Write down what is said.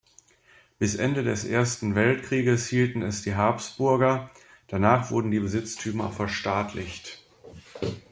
Bis Ende des Ersten Weltkrieges hielten es die Habsburger, danach wurden die Besitztümer verstaatlicht.